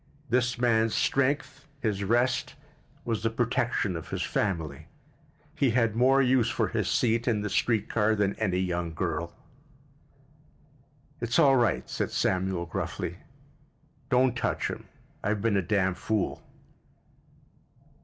This man's strength, his rest, was the protection of his family. He had more use for his seat in the street car than any young girl. "It's all right," said Samuel gruffly. "Don't touch 'him. I've been a damn fool."